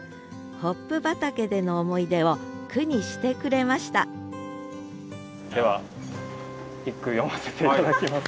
ホップ畑での思い出を句にしてくれましたでは一句詠ませて頂きます。